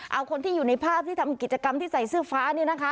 เอาคนที่อยู่ในภาพที่ทำกิจกรรมที่ใส่เสื้อฟ้านี่นะคะ